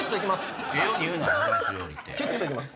キュっといきます。